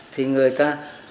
thì người ta